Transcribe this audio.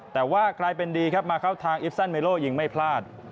แต่ว่ากลายเป็นดีครับมาเข้าทางอิฟซันเมโลยิงไม่พลาด